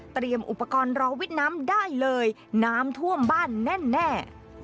เตรียมอุปกรณ์รอวิดน้ำได้เลยน้ำท่วมบ้านแน่